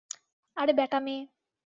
আরে ব্যাটা মেয়ে।